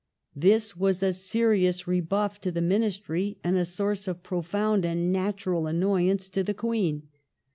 This was a serious rebuff to the Ministry and a source of profound and natural annoyance to the Queen.